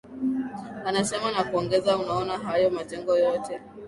anasema na kuongeza Unaona hayo majengo yote